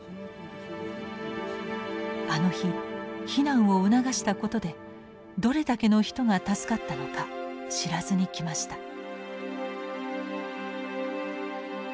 あの日避難を促したことでどれだけの人が助かったのか知らずにきました。